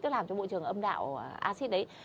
nó làm cho môi trường âm đạo acid đấy